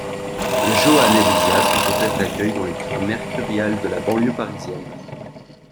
Joane et Lisa sont hôtesses d'accueil dans les tours Mercuriales de la banlieue parisienne.